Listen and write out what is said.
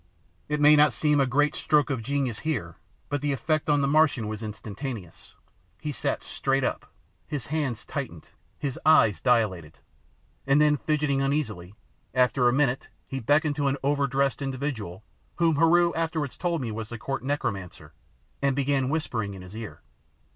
It may not seem a great stroke of genius here, but the effect on the Martian was instantaneous. He sat straight up, his hands tightened, his eyes dilated, and then fidgeting uneasily, after a minute he beckoned to an over dressed individual, whom Heru afterwards told me was the Court necromancer, and began whispering in his ear.